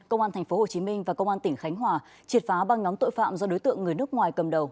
công an tp hcm và công an tỉnh khánh hòa triệt phá băng nhóm tội phạm do đối tượng người nước ngoài cầm đầu